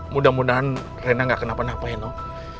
mudah mudahan rena gak kena penapain loh